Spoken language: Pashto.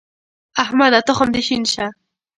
احمده! تخم دې شين شه.